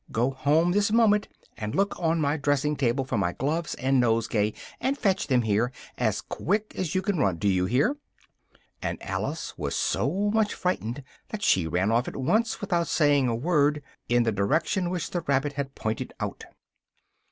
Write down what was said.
Go home this moment, and look on my dressing table for my gloves and nosegay, and fetch them here, as quick as you can run, do you hear?" and Alice was so much frightened that she ran off at once, without saying a word, in the direction which the rabbit had pointed out.